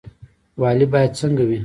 والي باید څنګه وي؟